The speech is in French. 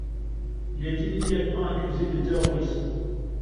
Il est immédiatement accusé de terrorisme.